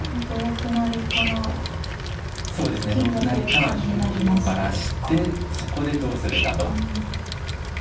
成からバラしてそこでどうするかと。